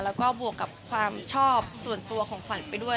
แล้วก็บวกกับความชอบส่วนตัวของขวัญไปด้วย